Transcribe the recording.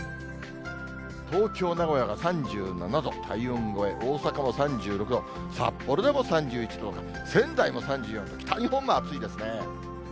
東京、名古屋が３７度、体温超え、大阪も３６度、札幌でも３１度とか、仙台も３４度、北日本も暑いですね。